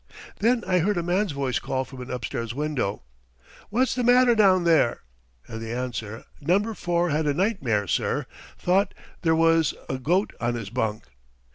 Then I heard a man's voice call from an upstairs window, 'What's the matter down there?' and the answer, 'Number Four had a nightmare, sir thought there was a goat on his bunk.'